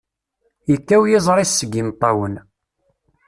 Yekkaw yiẓri-s seg imeṭṭawen.